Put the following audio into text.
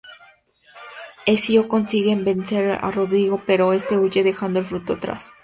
Ezio consigue vencer a Rodrigo, pero este huye dejando el Fruto atrás.